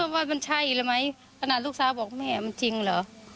ว่ามันใช่แล้วไหมขนาดลูกสาวบอกแม่มันจริงเหรอ